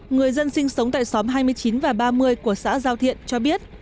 người dân sinh sống tại xóm hai mươi chín và ba mươi của xã giao thiện cho biết